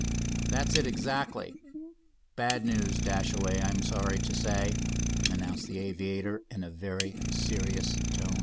"That's it exactly. Bad news, Dashaway, I'm sorry to say," announced the aviator in a very serious tone.